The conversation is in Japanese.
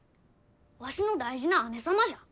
わしの大事な姉様じゃ。